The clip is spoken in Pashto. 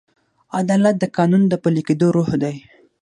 عدالت د قانون د پلي کېدو روح دی.